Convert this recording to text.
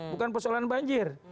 bukan persoalan banjir